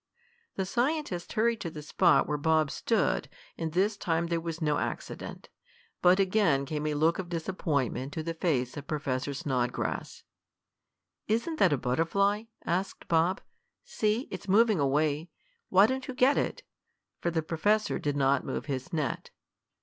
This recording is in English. The scientist hurried to the spot where Bob stood, and this time there was no accident. But again came a look of disappointment to the face of Professor Snodgrass. "Isn't that a butterfly?" asked Bob. "See, it's moving away. Why don't you get it?" for the professor did not move his net.